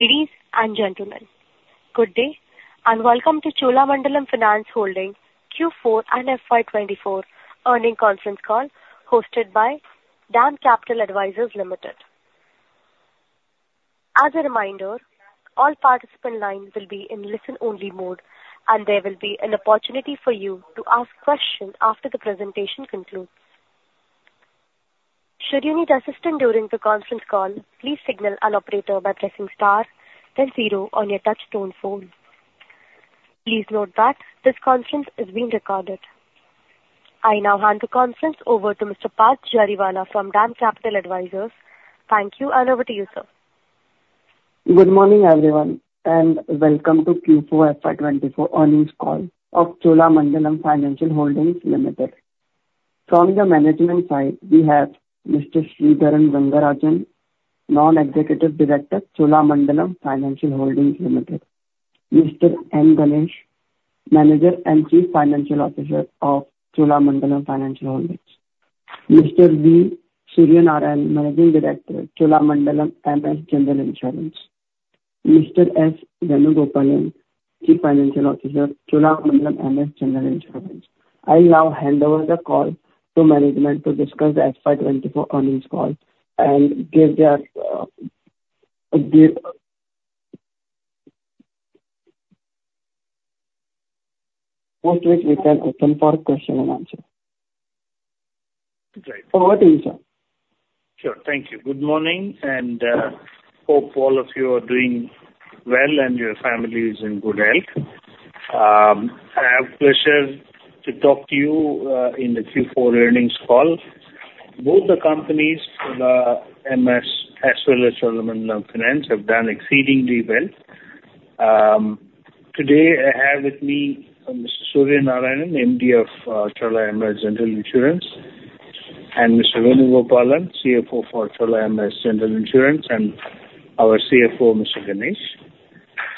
Ladies and gentlemen, good day, and welcome to Cholamandalam Financial Holdings Q4 and FY 2024 earnings conference call, hosted by DAM Capital Advisors Limited. As a reminder, all participant lines will be in listen-only mode, and there will be an opportunity for you to ask questions after the presentation concludes. Should you need assistance during the conference call, please signal an operator by pressing star then zero on your touchtone phone. Please note that this conference is being recorded. I now hand the conference over to Mr. Parth Jariwala from DAM Capital Advisors. Thank you, and over to you, sir. Good morning, everyone, and welcome to Q4 FY 2024 earnings call of Cholamandalam Financial Holdings Limited. From the management side, we have Mr. Sridharan Rangarajan, Non-Executive Director, Cholamandalam Financial Holdings Limited, Mr. N. Ganesh, Manager and Chief Financial Officer of Cholamandalam Financial Holdings, Mr. V. Suryanarayanan, Managing Director, Cholamandalam MS General Insurance, Mr. S. Venugopalan, Chief Financial Officer, Cholamandalam MS General Insurance. I now hand over the call to management to discuss the FY 2024 earnings call and give their. After which we can open for question and answer. Right. Over to you, sir. Sure. Thank you. Good morning, and hope all of you are doing well and your family is in good health. I have pleasure to talk to you in the Q4 earnings call. Both the companies, Chola MS, as well as Cholamandalam Finance, have done exceedingly well. Today I have with me Mr. Suryanarayanan, MD of Chola MS General Insurance, and Mr. Venugopalan, CFO for Chola MS General Insurance, and our CFO, Mr. Ganesh.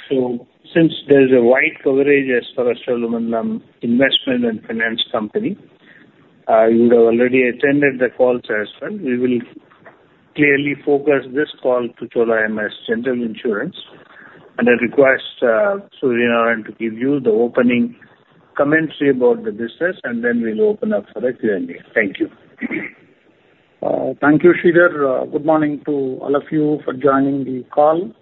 So since there's a wide coverage as far as Cholamandalam Investment and Finance Company, you have already attended the calls as well. We will clearly focus this call to Chola MS General Insurance, and I request Suryanarayanan to give you the opening commentary about the business, and then we'll open up for a Q&A. Thank you. Thank you, Sridhar. Good morning to all of you for joining the call,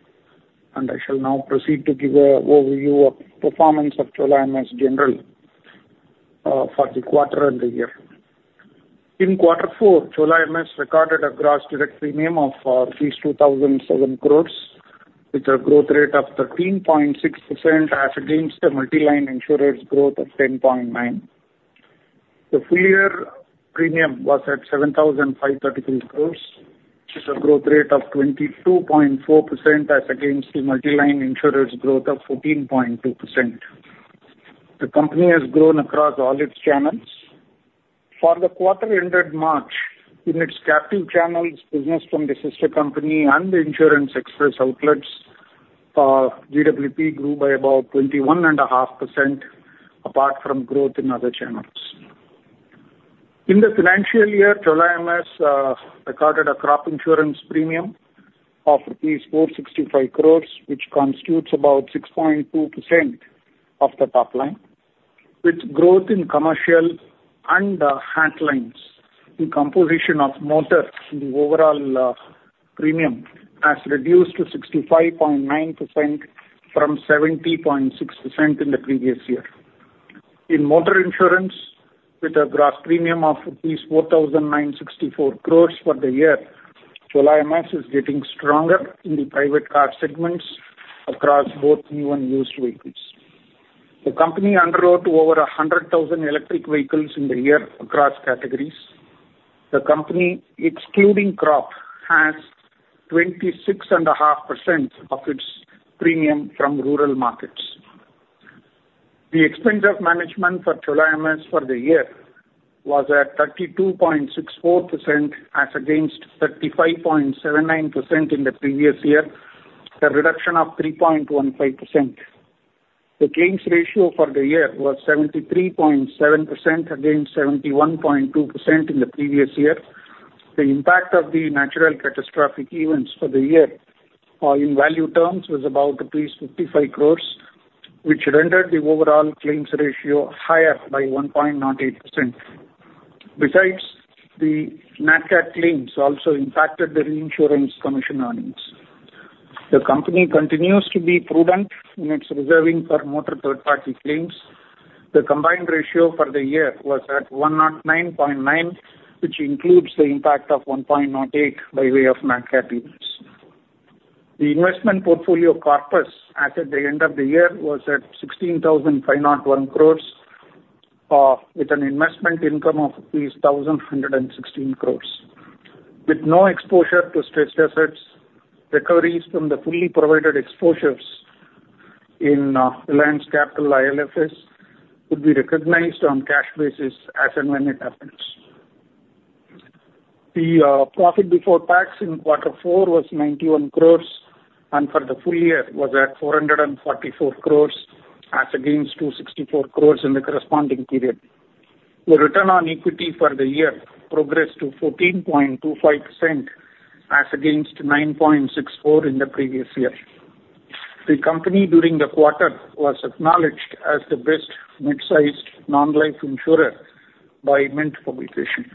and I shall now proceed to give an overview of performance of Chola MS General for the quarter and the year. In quarter four, Chola MS recorded a gross direct premium of rupees 2,007 crore, with a growth rate of 13.6% as against the multi-line insurers' growth of 10.9%. The full year premium was at INR 7,533 crore, which is a growth rate of 22.4% as against the multi-line insurers' growth of 14.2%. The company has grown across all its channels. For the quarter ended March, in its captive channels, business from the sister company and the Insurance Express outlets, GWP grew by about 21.5%, apart from growth in other channels. In the financial year, Chola MS recorded a crop insurance premium of rupees 465 crore, which constitutes about 6.2% of the top line, with growth in commercial and health lines. The composition of motor in the overall premium has reduced to 65.9% from 70.6% in the previous year. In motor insurance, with a gross premium of rupees 4,964 crore for the year, Chola MS is getting stronger in the private car segments across both new and used vehicles. The company underwrote over 100,000 electric vehicles in the year across categories. The company, excluding crop, has 26.5% of its premium from rural markets. The expense of management for Chola MS for the year was at 32.64%, as against 35.79% in the previous year, a reduction of 3.15%. The claims ratio for the year was 73.7%, against 71.2% in the previous year. The impact of the natural catastrophic events for the year, in value terms, was about 55 crore, which rendered the overall claims ratio higher by 1.08%. Besides, the NatCat claims also impacted the reinsurance commission earnings. The company continues to be prudent in its reserving for motor third-party claims. The combined ratio for the year was at 109.9, which includes the impact of 1.08 by way of NatCat claims. The investment portfolio corpus at the end of the year was at 16,501 crore, with an investment income of 1,116 crore. With no exposure to stressed assets, recoveries from the fully provided exposures in Reliance Capital, IL&FS would be recognized on cash basis as and when it happens. The profit before tax in quarter four was 91 crore, and for the full year was at 444 crore, as against 264 crore in the corresponding period. The return on equity for the year progressed to 14.25% as against 9.64% in the previous year. The company, during the quarter, was acknowledged as the best mid-sized non-life insurer by Mint Publication.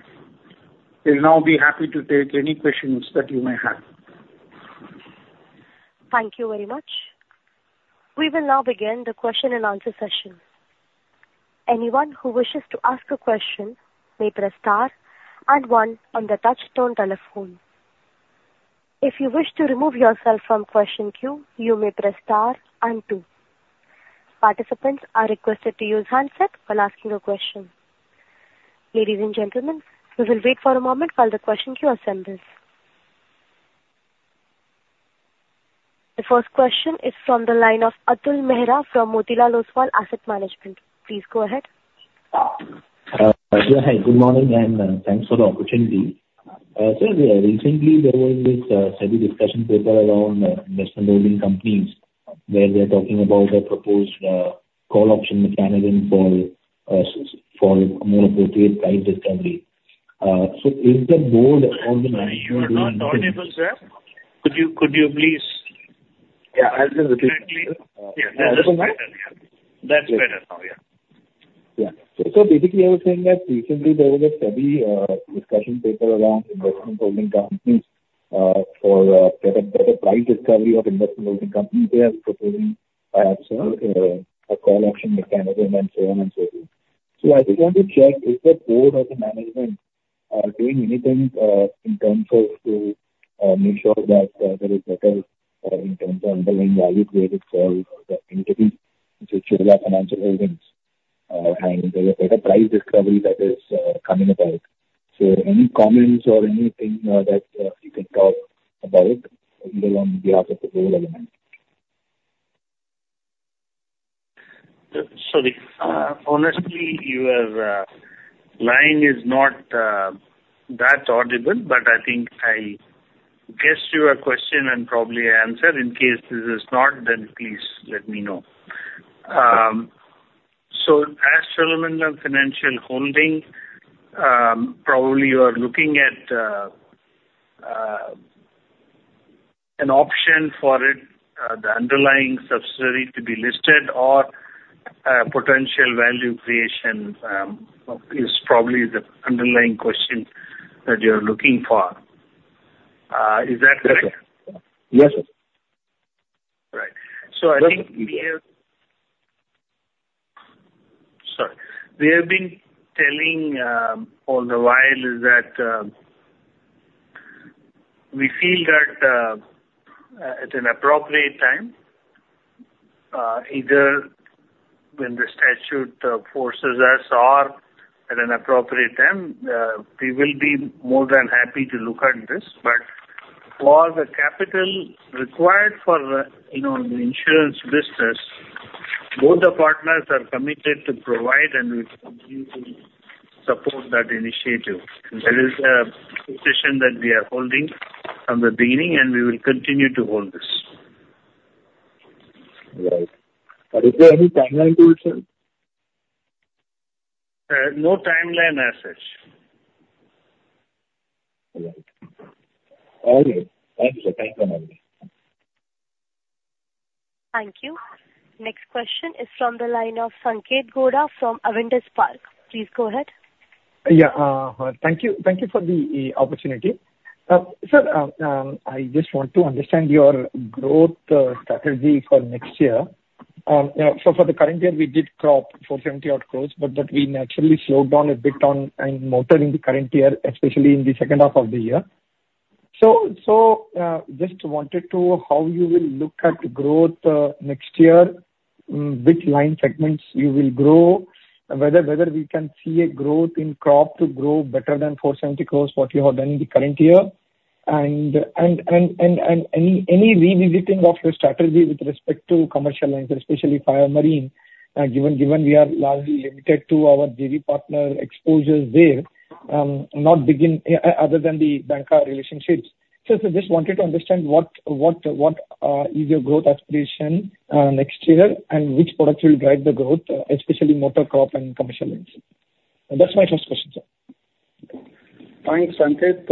We'll now be happy to take any questions that you may have. Thank you very much. We will now begin the question and answer session. Anyone who wishes to ask a question may press star and one on the touchtone telephone. If you wish to remove yourself from question queue, you may press star and two. Participants are requested to use handset while asking a question. Ladies and gentlemen, we will wait for a moment while the question queue assembles. The first question is from the line of Atul Mehra from Motilal Oswal Asset Management. Please go ahead. Hi, good morning, and thanks for the opportunity. Sir, recently there was this study discussion paper around investment holding companies, where we are talking about the proposed call option mechanism for more appropriate price discovery. So is the board of the- Sorry, you are not audible, sir. Could you please- Yeah, I'll just repeat. Clearly. Yeah. That's better. That's better now, yeah. Yeah. So basically, I was saying that recently there was a study discussion paper around investment holding companies for better price discovery of investment holding companies. They are proposing a call option mechanism and so on and so forth. So I just want to check, is the board or the management doing anything in terms of to make sure that there is better in terms of underlying value created for the entity, which is Cholamandalam Financial Holdings, and there is better price discovery that is coming about. So any comments or anything that you can talk about, even on behalf of the board or the management? Sorry, honestly, your line is not that audible, but I think I guessed your question and probably answer. In case this is not, then please let me know. So as Shriram Financial Holdings, probably you are looking at an option for it, the underlying subsidiary to be listed or potential value creation is probably the underlying question that you're looking for. Is that correct? Yes, sir. Right. Yes. I think we have. Sorry. We have been telling all the while is that we feel that at an appropriate time either when the statute forces us or at an appropriate time we will be more than happy to look at this. But for the capital required for the, you know, the insurance business, both the partners are committed to provide and we continue to support that initiative. That is a position that we are holding from the beginning, and we will continue to hold this. Right. And is there any timeline to it, sir? No timeline as such. All right. Okay. Thank you so much. Thank you. Next question is from the line of Sanket Godha from Avendus Spark. Please go ahead. Yeah. Thank you. Thank you for the opportunity. Sir, I just want to understand your growth strategy for next year. You know, so for the current year, we did crop 470 odd crore, but we naturally slowed down a bit on crop and motor in the current year, especially in the second half of the year. So, just wanted to know how you will look at growth next year, which line segments you will grow, whether we can see a growth in crop to grow better than 470 crore, what you have done in the current year. Any revisiting of your strategy with respect to commercial loans, especially fire marine, given we are largely limited to our JV partner exposures there, nothing other than the banker relationships. So just wanted to understand what is your growth aspiration next year, and which products will drive the growth, especially motor crop and commercial loans? That's my first question, sir. Thanks, Sanket.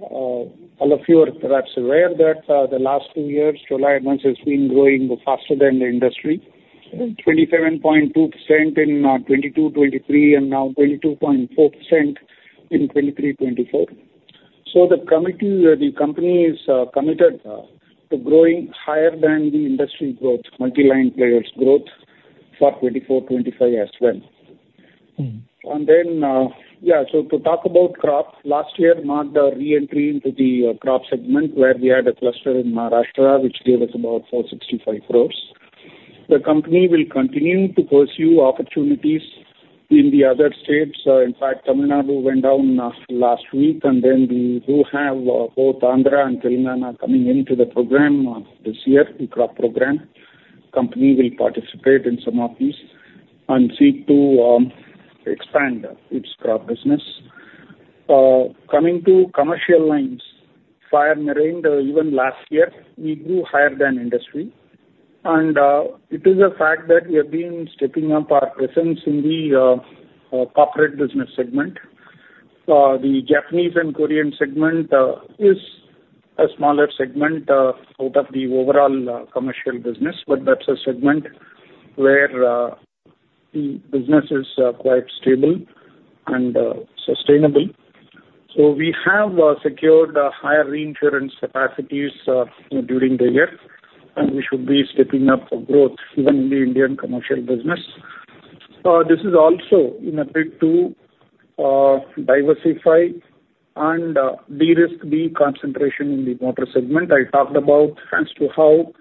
All of you are perhaps aware that the last two years, Chola Insurance has been growing faster than the industry. Mm-hmm. 27.2% in 2022, 2023, and now 22.4% in 2023, 2024. So the company is committed to growing higher than the industry growth, multi-line players growth for 2024, 2025 as well. Mm. And then, yeah, so to talk about crop, last year marked our re-entry into the crop segment, where we had a cluster in Maharashtra, which gave us about 465 crore. The company will continue to pursue opportunities in the other states. In fact, Tamil Nadu went down last week, and then we do have both Andhra and Telangana coming into the program this year, the crop program. The company will participate in some of these and seek to expand its crop business. Coming to commercial lines, fire, marine, even last year, we grew higher than industry. And it is a fact that we have been stepping up our presence in the corporate business segment. The Japanese and Korean segment is a smaller segment out of the overall commercial business, but that's a segment where the business is quite stable and sustainable. So we have secured higher reinsurance capacities during the year, and we should be stepping up for growth even in the Indian commercial business. This is also in a bid to diversify and de-risk the concentration in the motor segment. I talked about as to how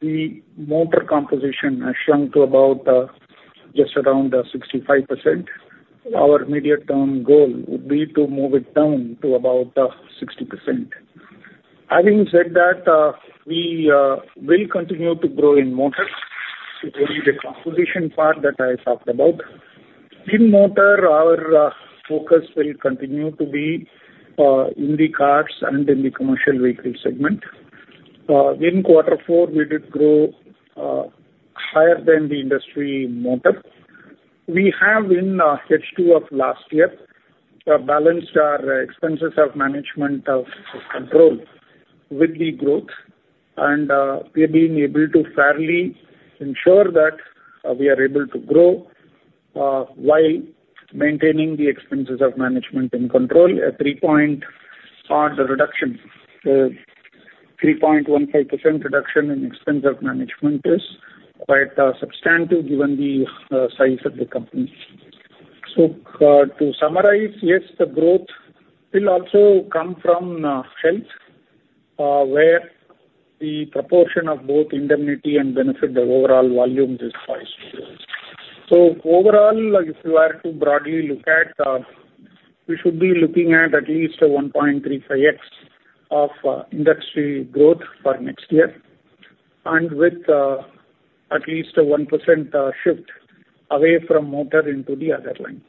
the motor composition has shrunk to about just around 65%. Our immediate term goal would be to move it down to about 60%. Having said that, we will continue to grow in motor, it will be the composition part that I talked about. In motor, our focus will continue to be in the cars and in the commercial vehicle segment. In quarter four, we did grow higher than the industry in motor. We have in H2 of last year balanced our expenses of management under control with the growth, and we have been able to fairly ensure that we are able to grow while maintaining the expenses of management and control at 3 point odd reduction. 3.15% reduction in expense of management is quite substantive given the size of the company. So, to summarize, yes, the growth will also come from health where the proportion of both indemnity and benefit the overall volume is quite stable. Overall, if you were to broadly look at, we should be looking at at least a 1.35x of industry growth for next year, and with at least a 1% shift away from motor into the other lines.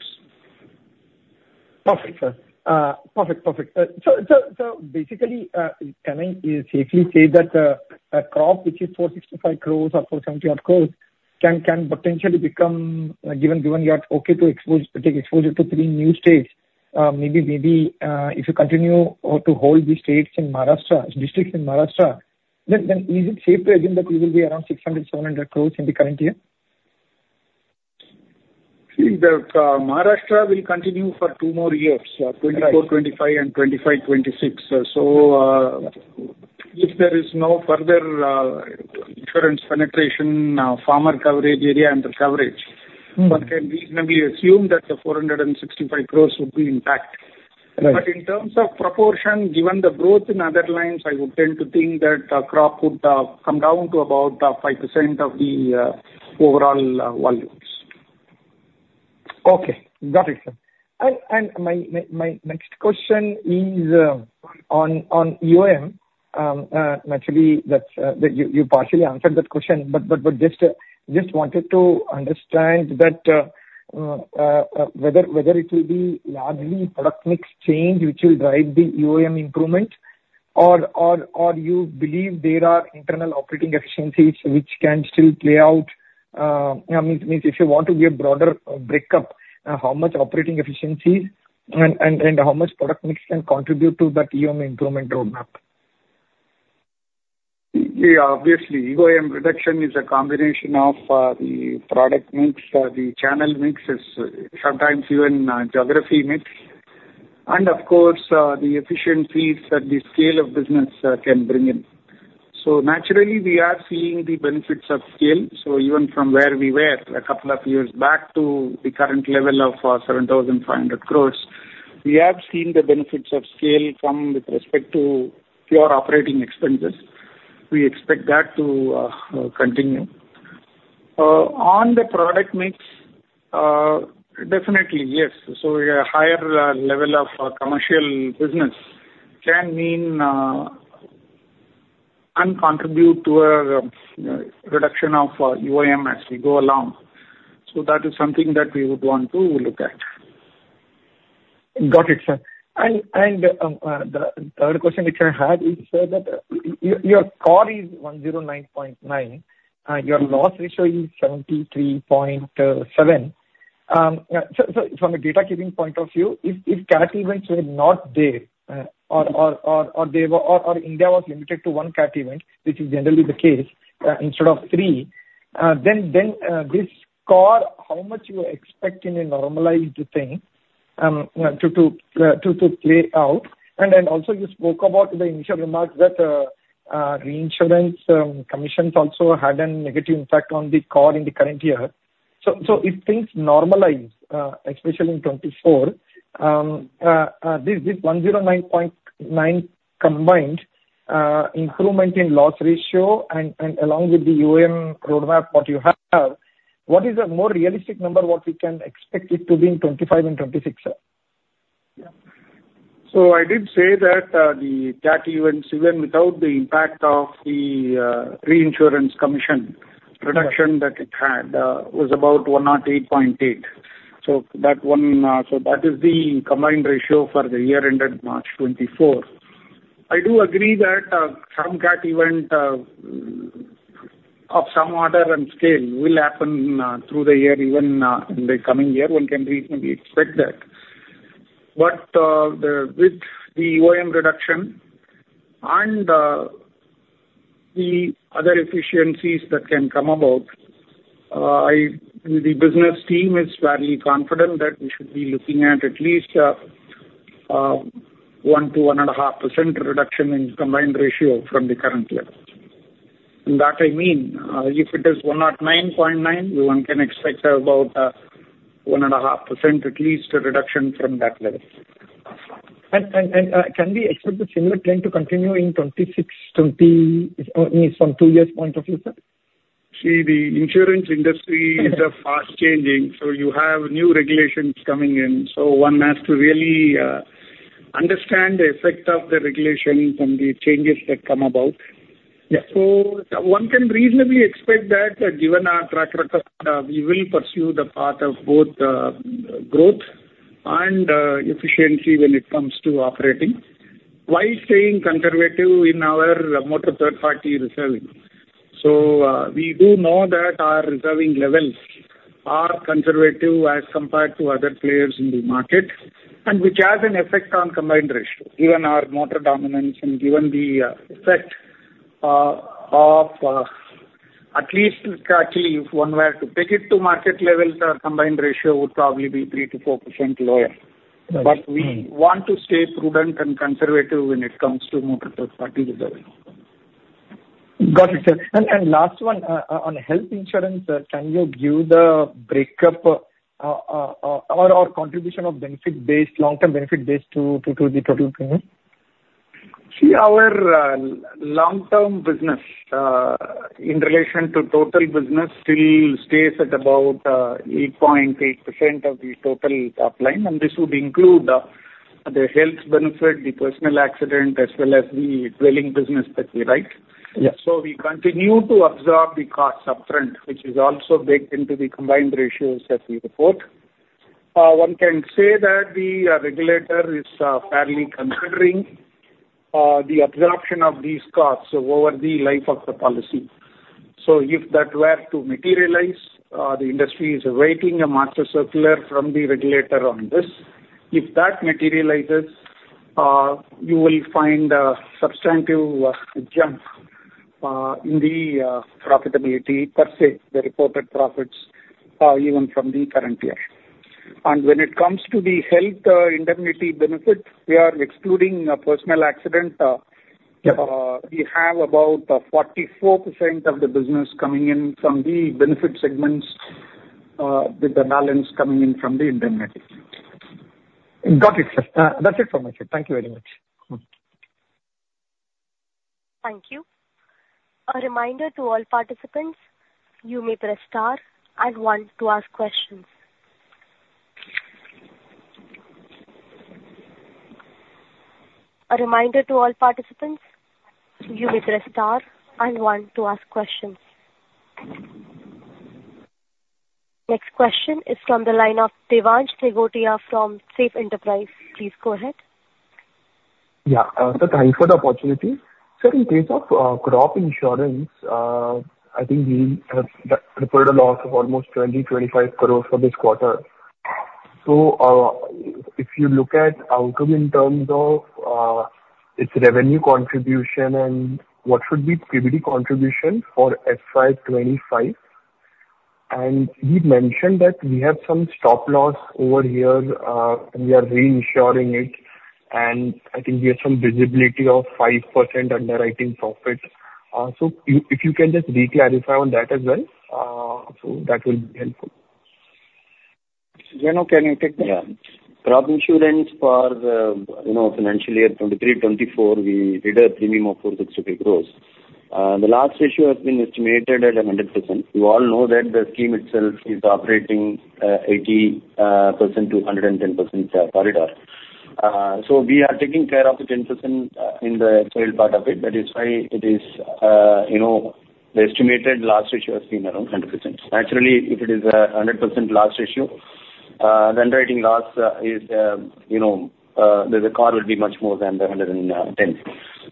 Perfect, sir. Perfect, perfect. So basically, can I safely say that a crop which is 465 crore or 470 crore can potentially become, given you are okay to expose, take exposure to three new states, maybe, if you continue or to hold the states in Maharashtra, districts in Maharashtra, then is it safe to assume that we will be around 600 crore-700 crore in the current year? See, the Maharashtra will continue for two more years, 2024, 2025 and 2025, 2026. So, if there is no further insurance penetration, farmer coverage, area under coverage- Mm. One can reasonably assume that the 465 crore would be intact. Right. But in terms of proportion, given the growth in other lines, I would tend to think that crop would come down to about 5% of the overall volumes. Okay. Got it, sir. My next question is on EoM. Naturally, that's that you partially answered that question, but just wanted to understand whether it will be largely product mix change which will drive the EoM improvement? Or you believe there are internal operating efficiencies which can still play out? I mean, if you want to give broader breakup, how much operating efficiency and how much product mix can contribute to that EoM improvement roadmap? Yeah, obviously, EOM reduction is a combination of the product mix, the channel mix, is sometimes even geography mix, and of course, the efficiencies that the scale of business can bring in. So naturally, we are seeing the benefits of scale. So even from where we were a couple of years back to the current level of 7,500 crore, we have seen the benefits of scale from with respect to pure operating expenses. We expect that to continue. On the product mix, definitely, yes. So a higher level of commercial business can mean and contribute to a reduction of EOM as we go along. So that is something that we would want to look at. Got it, sir. The third question which I had is, sir, that your core is 109.9. Mm-hmm. Your loss ratio is 73.7%. So, from a data keeping point of view, if cat events were not there, or they were, or India was limited to one cat event, which is generally the case, instead of three, then this score, how much you expect in a normalized thing to play out? And then also you spoke about the initial remark that reinsurance commissions also had a negative impact on the core in the current year. So if things normalize, especially in 2024, this 109.9 combined, improvement in loss ratio and along with the EOM roadmap, what you have, what is a more realistic number, what we can expect it to be in 2025 and 2026, sir? Yeah. So I did say that, the cat events, even without the impact of the, reinsurance commission reduction that it had, was about 108.8. So that one, so that is the combined ratio for the year ended March 2024. I do agree that, some cat event, of some order and scale will happen, through the year, even, in the coming year. One can reasonably expect that. But, the, with the EoM reduction and, the other efficiencies that can come about, the business team is fairly confident that we should be looking at at least, 1%-1.5% reduction in combined ratio from the current levels. That, I mean, if it is 109.9, one can expect about 1.5% at least reduction from that level. Can we expect a similar trend to continue in 2026, meaning from 2 years point of view, sir? See, the insurance industry is fast changing, so you have new regulations coming in, so one has to really understand the effect of the regulation and the changes that come about. Yeah. So one can reasonably expect that, given our track record, we will pursue the path of both, growth and, efficiency when it comes to operating, while staying conservative in our motor third-party reserving. So, we do know that our reserving levels are conservative as compared to other players in the market, and which has an effect on combined ratio. Given our motor dominance and given the effect of at least, actually, if one were to take it to market levels, our combined ratio would probably be 3%-4% lower. Right. Mm-hmm. But we want to stay prudent and conservative when it comes to motor third-party reserving. Got it, sir. And last one on health insurance, sir. Can you give the breakup or contribution of benefit-based, long-term benefit-based to the total premium? See, our long-term business in relation to total business still stays at about 8.8% of the total top line, and this would include the health benefit, the personal accident, as well as the dwelling business that we write. Yeah. So we continue to absorb the costs upfront, which is also baked into the combined ratios that we report. One can say that the regulator is fairly considering the absorption of these costs over the life of the policy. So if that were to materialize, the industry is awaiting a master circular from the regulator on this. If that materializes, you will find a substantive jump in the profitability per se, the reported profits, even from the current year. And when it comes to the health indemnity benefit, we are excluding personal accident. Yeah. We have about 44% of the business coming in from the benefit segments, with the balance coming in from the indemnity. Got it, sir. That's it from my side. Thank you very much. Thank you. A reminder to all participants, you may press star and one to ask questions. A reminder to all participants, you may press star and one to ask questions. Next question is from the line of Devansh Nigotia from Safe Enterprises. Please go ahead. Yeah. So thank you for the opportunity. Sir, in case of crop insurance, I think we have reported a loss of almost 20-25 crore for this quarter. So, if you look at outcome in terms of its revenue contribution and what should be PBD contribution for FY 2025? And you've mentioned that we have some stop loss over here, and we are reinsuring it, and I think we have some visibility of 5% underwriting profits. So if you can just re-clarify on that as well, so that will be helpful. Venu, can you take that? Yeah. Crop insurance for the, you know, financial year 2023-2024, we did a premium of 462 crore. The loss ratio has been estimated at 100%. You all know that the scheme itself is operating 80%-110% corridor. So we are taking care of the 10% in the tail part of it. That is why it is, you know, the estimated loss ratio has been around 100%. Naturally, if it is a 100% loss ratio, the underwriting loss is, you know, the car will be much more than the 110.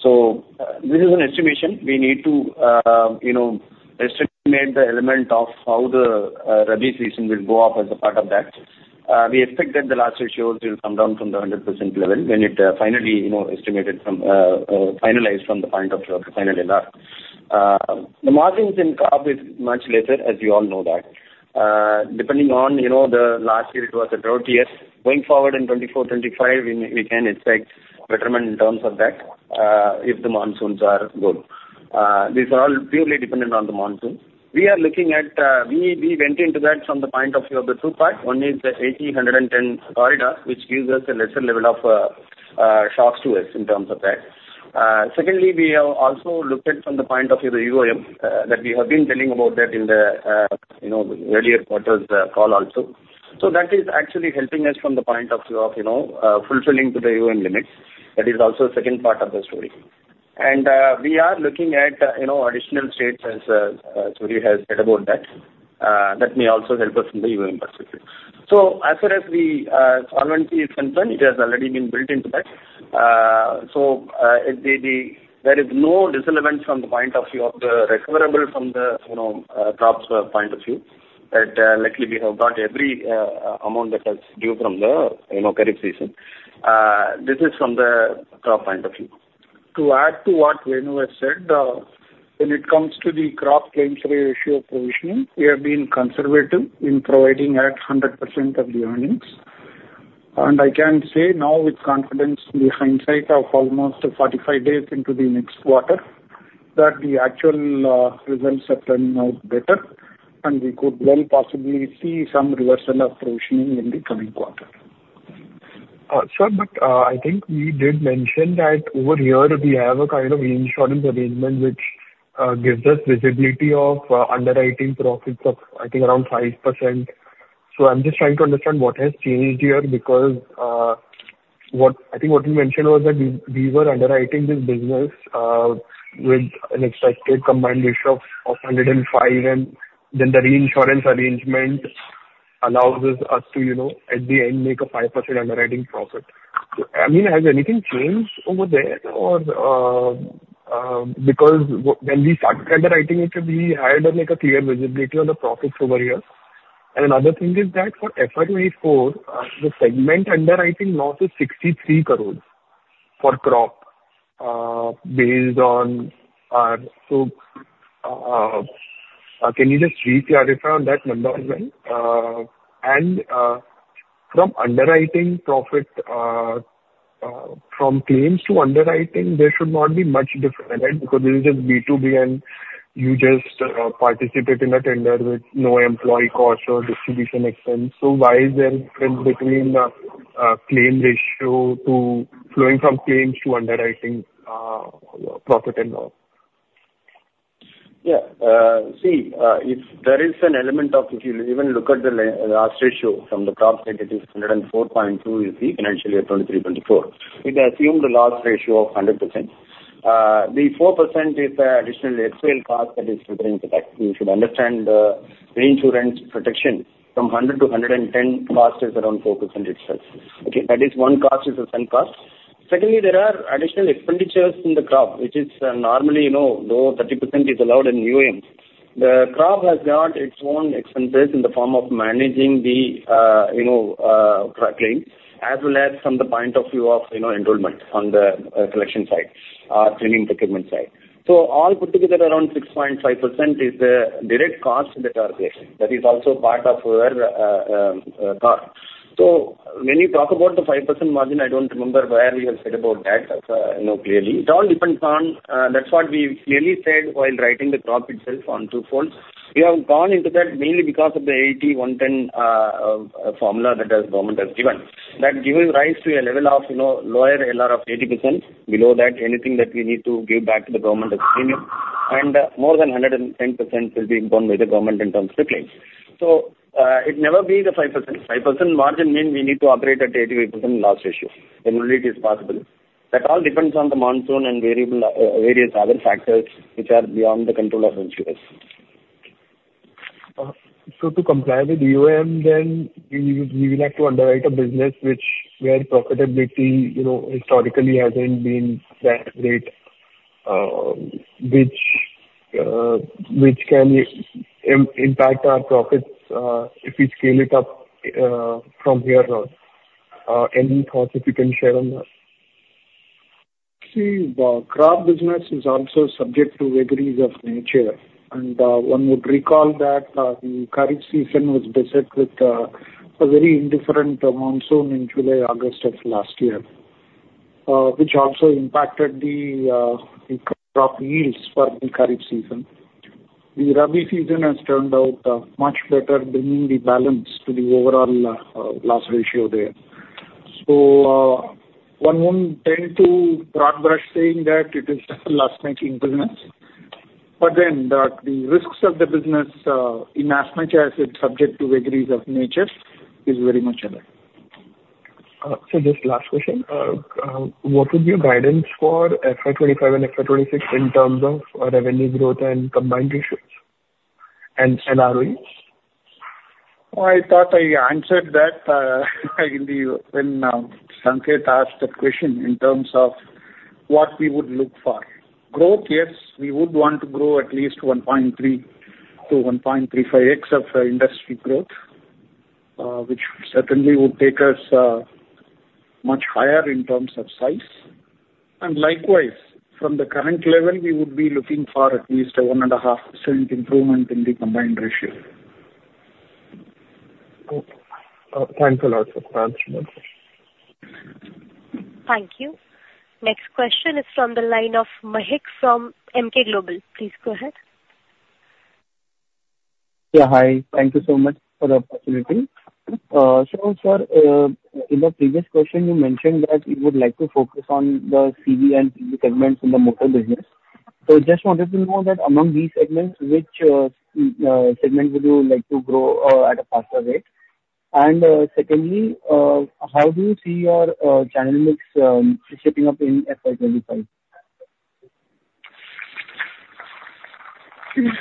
So this is an estimation. We need to, you know, estimate the element of how the rabi season will go up as a part of that. We expect that the loss ratios will come down from the 100% level when it, finally, you know, estimated from, finalized from the point of view of the final loss. The margins in crop is much lesser, as you all know that. Depending on, you know, the last year it was a drought year. Going forward in 2024, 2025, we can expect betterment in terms of that, if the monsoons are good. These are all purely dependent on the monsoon. We are looking at, we went into that from the point of view of the two parts. One is the 80-110 corridor, which gives us a lesser level of, shocks to us in terms of that. Secondly, we have also looked at from the point of view of the EoM, that we have been telling about that in the, you know, earlier quarters, call also. So that is actually helping us from the point of view of, you know, fulfilling to the EoM limits. That is also a second part of the story. And, we are looking at, you know, additional states, as Suri has said about that, that may also help us in the EoM perspective. So as far as the, solvency is concerned, it has already been built into that. So, there is no disallowance from the point of view of the recoverable from the, you know, crops point of view, that luckily we have got every amount that is due from the, you know, kharif season. This is from the crop point of view. To add to what Venu has said, when it comes to the crop claims ratio provisioning, we have been conservative in providing at 100% of the earnings. I can say now with confidence, in the hindsight of almost 45 days into the next quarter, that the actual results have turned out better, and we could well possibly see some reversal of provisioning in the coming quarter. Sir, but, I think we did mention that over here we have a kind of insurance arrangement which gives us visibility of underwriting profits of, I think, around 5%. So I'm just trying to understand what has changed here, because, what—I think what you mentioned was that we, we were underwriting this business with an expected combined ratio of 105, and then the reinsurance arrangement allows us to, you know, at the end, make a 5% underwriting profit. I mean, has anything changed over there? Or, because when we started underwriting it, we had, like, a clear visibility on the profits over here. And another thing is that for FY 2024, the segment underwriting loss is 63 crore for crop, based on, so, can you just re-clarify on that number as well? And, from underwriting profit, from claims to underwriting, there should not be much difference, right? Because this is just B2B, and you just, participate in a tender with no employee costs or distribution expense. So why is there a difference between, claim ratio to flowing from claims to underwriting, profit and loss? Yeah. See, if there is an element of, if you even look at the loss ratio from the crop side, it is 104.2, you see, financially at 2023-2024. It assumed a loss ratio of 100%. The 4% is the additional external cost that is factoring to that. You should understand the reinsurance protection from 100 to 110 cost is around 4%-5%. Okay, that is one cost, is a sunk cost. Secondly, there are additional expenditures in the crop, which is, normally, you know, though 30% is allowed in EoM. The crop has got its own expenses in the form of managing the, you know, crop claim, as well as from the point of view of, you know, enrollment on the, collection side, claiming procurement side. So all put together around 6.5% is the direct cost in the car station. That is also part of our cost. So when you talk about the 5% margin, I don't remember where we have said about that, you know, clearly. It all depends on, that's what we clearly said while writing the crop itself on two-fold. We have gone into that mainly because of the 81-10 formula that the government has given. That gives rise to a level of, you know, lower LR of 80%. Below that, anything that we need to give back to the government as premium, and more than 110% will be borne by the government in terms of claims. So, it never be the 5%. 5% margin means we need to operate at 88% loss ratio, and really it is possible. That all depends on the monsoon and variable, various other factors which are beyond the control of insurers. So, to comply with UAM, then we will have to underwrite a business which, where profitability, you know, historically hasn't been that great, which can impact our profits if we scale it up from here on. Any thoughts if you can share on that? See, the crop business is also subject to vagaries of nature. One would recall that the kharif season was beset with a very indifferent monsoon in July, August of last year, which also impacted the crop yields for the kharif season. The rabi season has turned out much better, bringing the balance to the overall loss ratio there. One wouldn't tend to broad brush, saying that it is just a last minute improvement. But then the risks of the business, in as much as it's subject to vagaries of nature, is very much alive. So just last question. What would be your guidance for FY 2025 and FY 2026 in terms of revenue growth and combined ratios and ROE? I thought I answered that, when Sanket asked that question in terms of what we would look for. Growth, yes, we would want to grow at least 1.3-1.35x of industry growth, which certainly would take us much higher in terms of size. And likewise, from the current level, we would be looking for at least a 1.5% improvement in the combined ratio. Thanks a lot, Sir. Thanks so much. Thank you. Next question is from the line of Mahek from Emkay Global. Please go ahead. Yeah, hi. Thank you so much for the opportunity. So, sir, in the previous question, you mentioned that you would like to focus on the CV and PV segments in the motor business. So just wanted to know that among these segments, which segment would you like to grow at a faster rate? And, secondly, how do you see your channel mix shaping up in FY 25?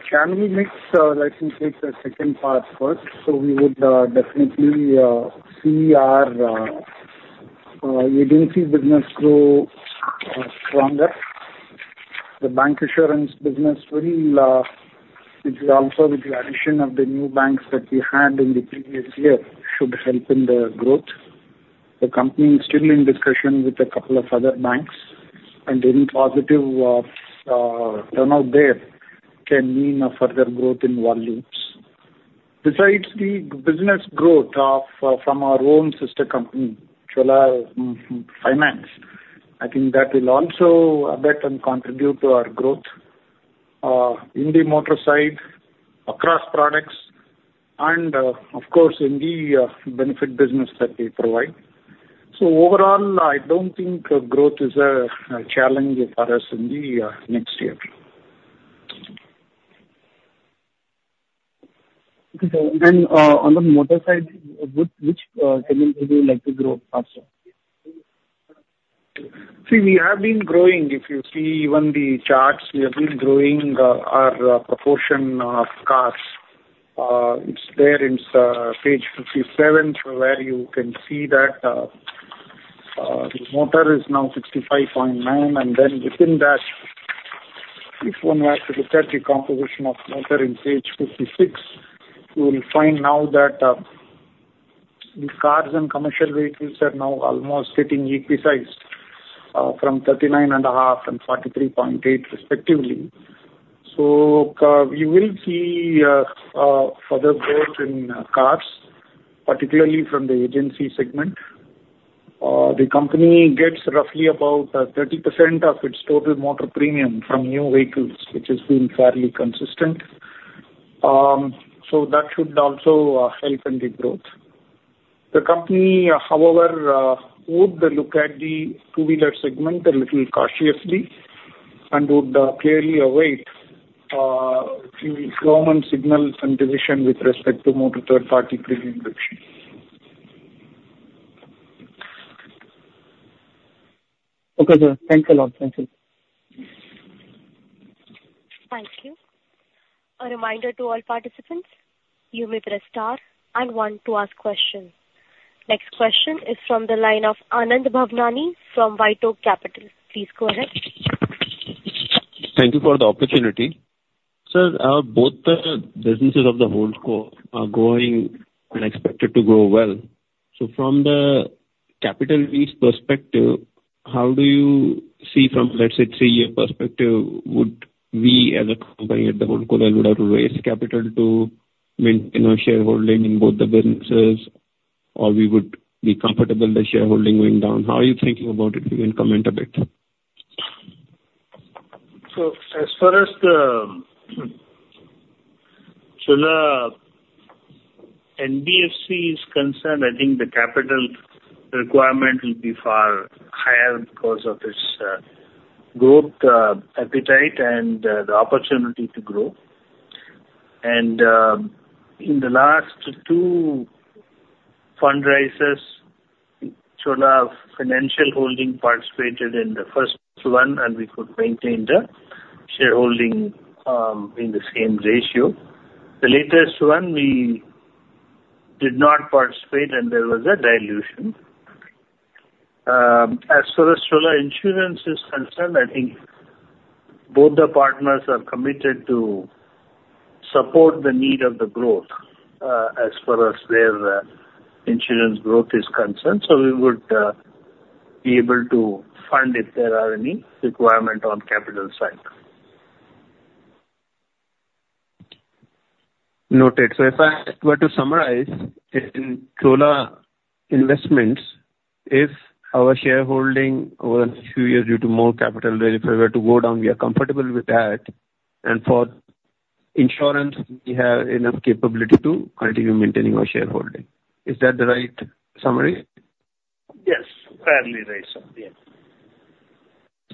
It's channel mix, let me take the second part first. So we would definitely see our agency business grow stronger. The bank insurance business will, it will also with the addition of the new banks that we had in the previous year, should help in the growth. The company is still in discussion with a couple of other banks, and any positive turnout there can mean a further growth in volumes. Besides the business growth of, from our own sister company, Chola Finance, I think that will also and contribute to our growth in the motor side, across products and, of course, in the benefit business that we provide. So overall, I don't think growth is a challenge for us in the next year. Okay, sir. And on the motor side, which segment would you like to grow faster? See, we have been growing. If you see even the charts, we have been growing, our proportion of cars. It's there, page 57, where you can see that, the motor is now 65.9, and then within that, if one were to look at the composition of motor in page 56, you will find now that, the cars and commercial vehicles are now almost sitting equal sized, from 39.5 and 43.8 respectively. So, we will see, further growth in, cars, particularly from the agency segment. The company gets roughly about, 30% of its total motor premium from new vehicles, which has been fairly consistent. So that should also, help in the growth. The company, however, would look at the two-wheeler segment a little cautiously and would clearly await few government signals and decision with respect to motor third-party premium ratio. Okay, sir. Thanks a lot. Thank you. Thank you. A reminder to all participants, you may press star and one to ask questions. Next question is from the line of Anand Bhavnani from White Oak Capital. Please go ahead. Thank you for the opportunity. Sir, both the businesses of the holdco are growing and expected to grow well. So from the capital raise perspective, how do you see from, let's say, three-year perspective, would we as a company at the holdco level, would have to raise capital to maintain our shareholding in both the businesses, or we would be comfortable the shareholding going down? How are you thinking about it, if you can comment a bit? So as far as the Chola NBFC is concerned, I think the capital requirement will be far higher because of its growth appetite and the opportunity to grow. And in the last two fundraises, Chola Financial Holdings participated in the first one, and we could maintain the shareholding in the same ratio. The latest one, we did not participate and there was a dilution. As far as Chola Insurance is concerned, I think both the partners are committed to support the need of the growth as far as their insurance growth is concerned. So we would be able to fund if there are any requirement on capital side. Noted. So if I were to summarize, in Chola Investments, if our shareholding over the next few years due to more capital, if I were to go down, we are comfortable with that, and for insurance, we have enough capability to continue maintaining our shareholding. Is that the right summary? Yes, fairly right, sir. Yes.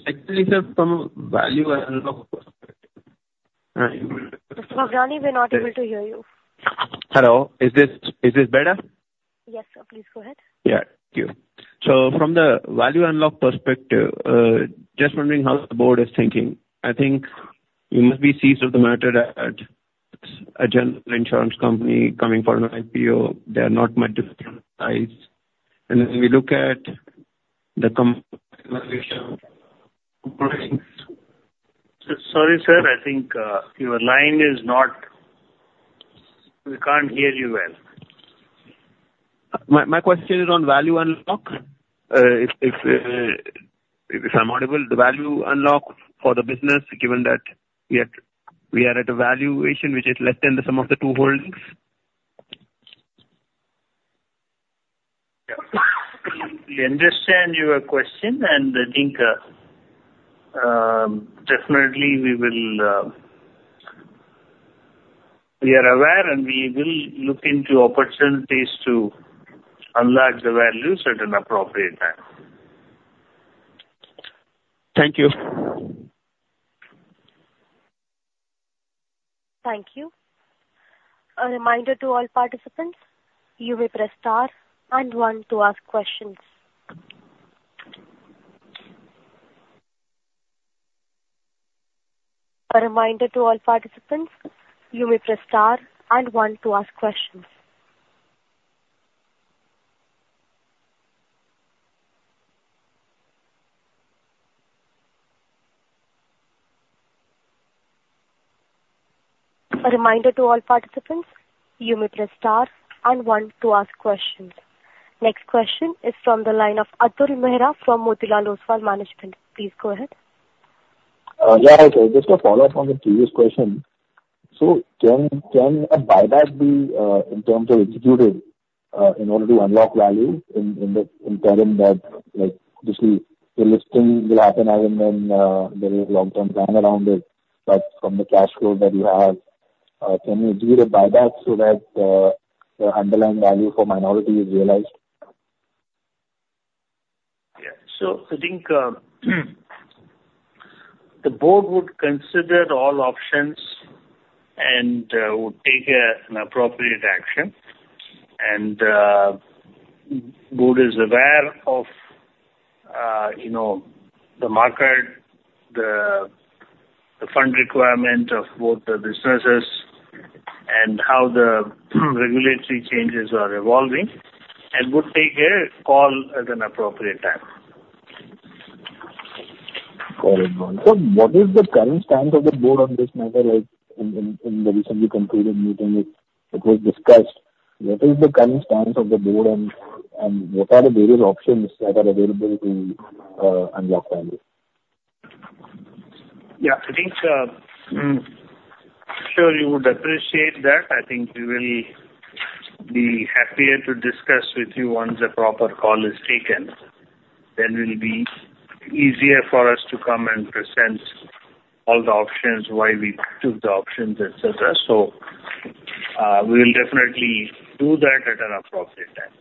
Actually, sir, from value unlock perspective, Mr. Bhavnani, we're not able to hear you. Hello. Is this, is this better? Yes, sir. Please go ahead. Yeah, thank you. So from the value unlock perspective, just wondering how the board is thinking. I think you must be seized of the matter that a general insurance company coming for an IPO, they are not much different size. And when we look at the combined Sorry, sir, I think, your line is not... We can't hear you well. My question is on value unlock. If I'm audible, the value unlock for the business, given that we are at a valuation which is less than the sum of the two holdings? Yeah. We understand your question, and I think, definitely we will,... We are aware, and we will look into opportunities to unlock the values at an appropriate time. Thank you. Thank you. A reminder to all participants, you may press star and one to ask questions. A reminder to all participants, you may press star and one to ask questions. A reminder to all participants, you may press star and one to ask questions. Next question is from the line of Atul Mehra from Motilal Oswal Asset Management. Please go ahead. Yeah. Just a follow-up on the previous question. So can a buyback be executed in order to unlock value in the interim that, like, this is the listing will happen and then there is long-term plan around it, but from the cash flow that you have, can you do the buyback so that the underlying value for minority is realized? Yeah. So I think the board would consider all options and would take an appropriate action. The board is aware of you know the market, the fund requirement of both the businesses and how the regulatory changes are evolving and would take a call at an appropriate time. Got it. So what is the current stance of the board on this matter, like, in the recently concluded meeting, it was discussed? What is the current stance of the board and what are the various options that are available to unlock value? Yeah, I think, sure, you would appreciate that. I think we will be happier to discuss with you once a proper call is taken. Then will be easier for us to come and present all the options, why we took the options, et cetera. So, we will definitely do that at an appropriate time.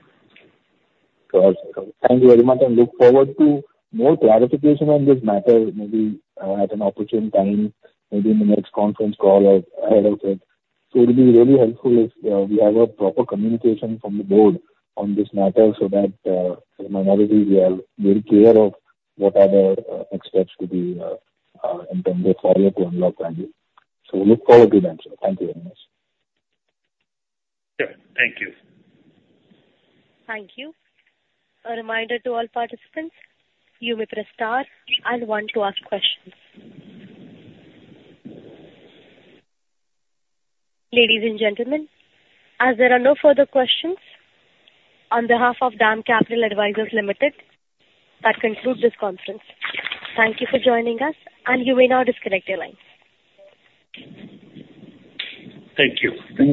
Got it. Thank you very much, and look forward to more clarification on this matter, maybe at an opportune time, maybe in the next conference call or ahead of it. So it'll be really helpful if we have a proper communication from the board on this matter, so that the minority will be clear of what are the next steps to be in terms of how you're to unlock value. So look forward to that, sir. Thank you very much. Yeah, thank you. Thank you. A reminder to all participants, you may press star and one to ask questions. Ladies and gentlemen, as there are no further questions, on behalf of DAM Capital Advisors Limited, that concludes this conference. Thank you for joining us, and you may now disconnect your line. Thank you.